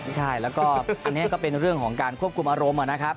ใช่แล้วก็อันนี้ก็เป็นเรื่องของการควบคุมอารมณ์นะครับ